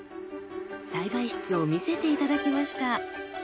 栽培室を見せていただきました。